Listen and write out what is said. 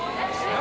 何？